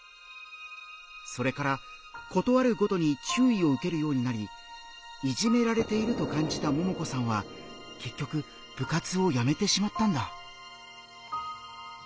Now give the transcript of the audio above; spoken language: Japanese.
それから事あるごとに注意を受けるようになりいじめられていると感じたももこさんは結局部活をやめてしまったんだ。